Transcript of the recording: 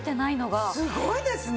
すごいですね！